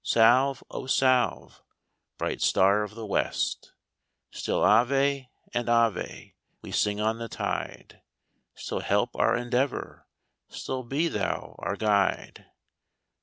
Salve, O Salve, Bright Star of the West, Still "Ave " and " Ave " We sino: on the tide ; Still help our endeavor. Still be thou our guide.